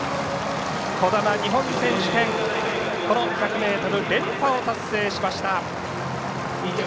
兒玉、日本選手権１００ｍ連覇を達成しました。